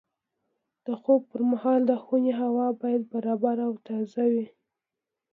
د خوب پر مهال د خونې هوا باید برابره او تازه وي.